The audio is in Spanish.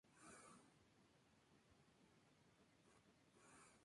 Los padres de Fischer-Hjalmars eran el ingeniero civil Otto Fischer y Karen Beate Wulff.